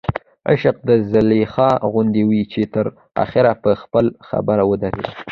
عشق د زلیخا غوندې وي چې تر اخره په خپله خبر ودرېده.